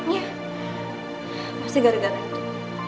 iya pasti gara gara itu